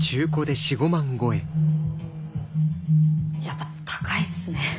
やっぱ高いっすね。